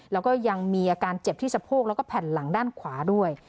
แล้วก็ยังมีอาการเจ็บที่สะโพกแล้วก็แผ่นหลังด้านขวาด้วย